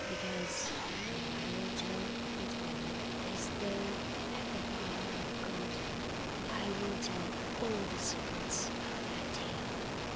Because Oh, I will tell it all; as though at the bar of God. I will tell all the secrets of that day.